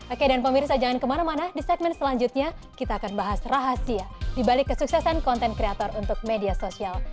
oke dan pemirsa jangan kemana mana di segmen selanjutnya kita akan bahas rahasia dibalik kesuksesan konten kreator untuk media sosial